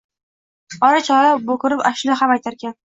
Ora – chora bo’kirib ashula ham aytarkan